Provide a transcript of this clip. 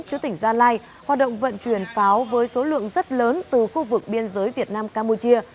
chủ tỉnh gia lai hoạt động vận chuyển pháo với số lượng rất lớn từ khu vực biên giới việt nam campuchia